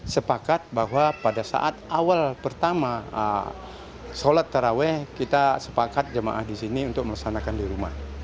sepakat bahwa pada saat awal pertama sholat taraweh kita sepakat jemaah di sini untuk melaksanakan di rumah